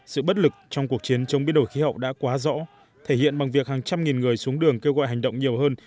sự bất lực trong cuộc chiến chống biến đổi khí hậu đã quá rõ thể hiện bằng việc hàng trăm nghìn người xuống đường kêu gọi hành động nhiều hơn